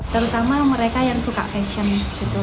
terutama mereka yang suka fashion gitu